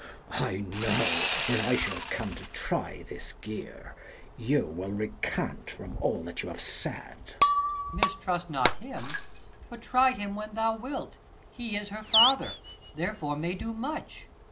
I know, when I shall come to try this gear You will recant from all that you have said. 100 Per. Mistrust not him, but try him when thou wilt : He is her father, therefore may do much.